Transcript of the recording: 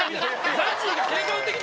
ＺＡＺＹに。